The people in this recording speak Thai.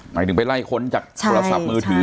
หมายถึงไปไล่ค้นจากโทรศัพท์มือถือ